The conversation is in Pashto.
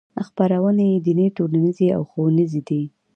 خپرونې یې دیني ټولنیزې او ښوونیزې دي.